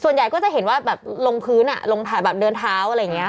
ส่วนใหญ่ก็จะเห็นว่าแบบลงพื้นลงถ่ายแบบเดินเท้าอะไรอย่างนี้